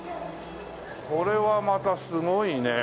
これはまたすごいね。